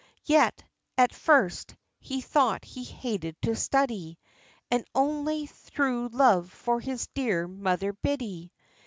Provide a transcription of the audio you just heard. Yet, at first, he thought he hated to study, And only through love for dear Mother Biddy, OF CHANTICLEER.